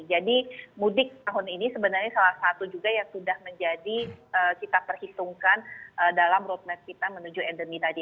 jadi mudik tahun ini sebenarnya salah satu juga yang sudah menjadi kita perhitungkan dalam roadmap kita menuju endemi tadi